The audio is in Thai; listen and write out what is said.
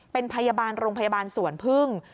เป็นพยาบาลโรงพยาบาลสวนพึ่ง